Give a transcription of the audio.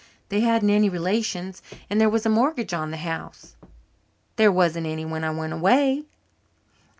They hadn't any relations and there was a mortgage on the house." "There wasn't any when I went away."